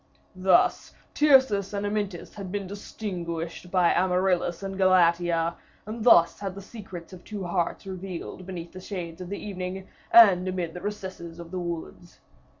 Thus Tyrcis and Amyntas had been distinguished by Phyllis and Galatea; and thus had the secrets of two hearts revealed beneath the shades of evening, and amid the recesses of the woods.